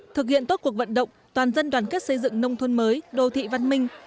thực hiện tốt cuộc vận động toàn dân đoàn kết xây dựng nông thôn mới đô thị văn minh